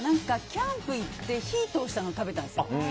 キャンプ行って火を通したのを食べたんですよ。